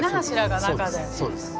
そうです